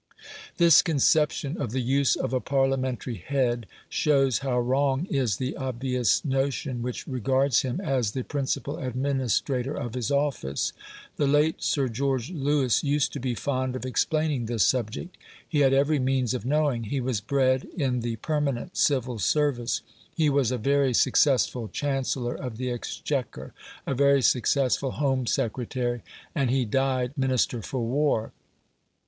This conception of the use of a Parliamentary head shows how wrong is the obvious notion which regards him as the principal administrator of his office. The late Sir George Lewis used to be fond of explaining this subject. He had every means of knowing. He was bred in the permanent civil service. He was a very successful Chancellor of the Exchequer, a very successful Home Secretary, and he died Minister for War.